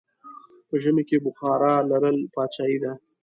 په ژمی کې بخارا لرل پادشاهي ده.